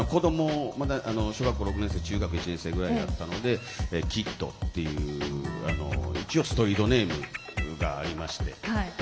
まだ小学校６年生とか中学１年生ぐらいだったのでＫＩＤっていう一応、ストリートネームがありまして。